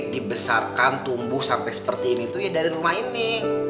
dibesarkan tumbuh sampai seperti ini tuh ya dari rumah ini